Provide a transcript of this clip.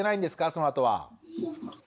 そのあとは。